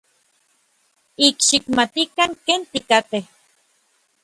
Ik xikmatikan ken tikatej.